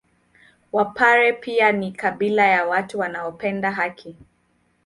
Wapare pia ni kabila la watu wanaopenda haki